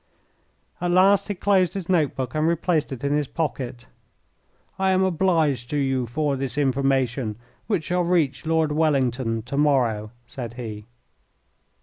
At last he closed his note book and replaced it in his pocket. "I am obliged to you for this information, which shall reach Lord Wellington to morrow," said he.